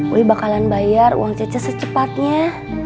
uli bakalan bayar uang c c secepatnya